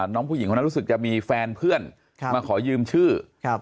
น้องผู้หญิงคนนั้นรู้สึกจะมีแฟนเพื่อนมาขอยืมชื่อ